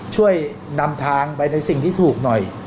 ช่วยนำทางไปในสิ่งที่ถูกหน่อย